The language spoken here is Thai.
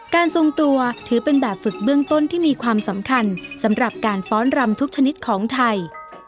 ทรงตัวถือเป็นแบบฝึกเบื้องต้นที่มีความสำคัญสำหรับการฟ้อนรำทุกชนิดของไทย